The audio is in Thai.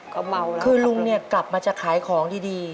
เขาเมาแล้วคือลุงกลับมาจะขายของดี